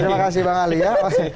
terima kasih bang ali ya